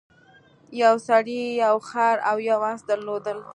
یو سړي یو خر او یو اس درلودل.